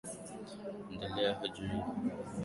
eandika juu ya ule utafiti wa rail